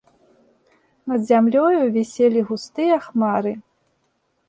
Над зямлёю віселі густыя хмары.